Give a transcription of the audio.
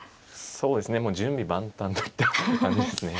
そうですね準備万端といった感じですね。